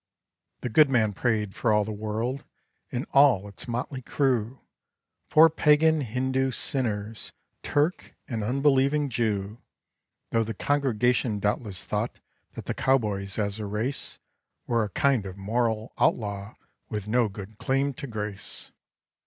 The good man prayed for all the world And all its motley crew, For pagan, Hindoo, sinners, Turk, And unbelieving Jew, Though the congregation doubtless thought That the cowboys as a race Were a kind of moral outlaw With no good claim to grace.